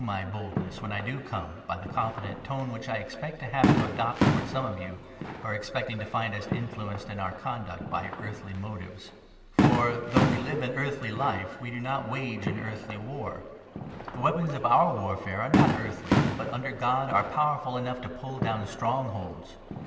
343 my boldness," when I do come, by the confident tone which I expect to have to adopt towards some of you, who are expecting to find us influenced in our conduct by earthly motives. For, though we live an earthly life, we do not 3 wage an earthly war. The weapons for our warfare are not 4 earthly, but, under God, are powerful enough to pull down strongholds.